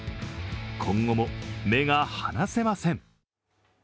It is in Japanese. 今後も目が離せません。